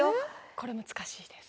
これ難しいです。